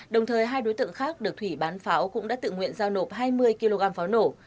đồng thời hai đối tượng khác được thủy bán pháo cũng đã tự nguyện giao nộp hai mươi kg pháo nổ